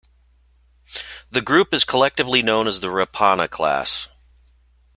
The group is collectively known as the Rapana Class.